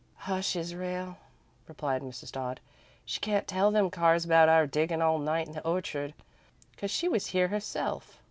"Hush, Israel," replied Mrs. Dodd. "She can't tell them Carrs about our diggin' all night in the orchard, 'cause she was here herself.